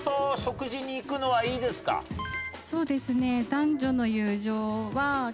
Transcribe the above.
そうですね。